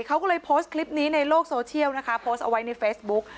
เขาก็เลยโพสต์คลิปนี้ในโลกโซเชียลนะคะโพสต์เอาไว้ในเฟซบุ๊ก